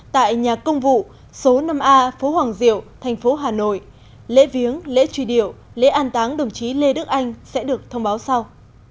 tại nhà công vụ số năm a phố hoàng diệu thành phố hà nội lễ viếng lễ truy điệu lễ an táng đồng chí lê đức anh sẽ được thông báo sau